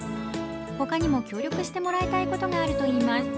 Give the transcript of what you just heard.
ほかにも協力してもらいたいことがあるといいます。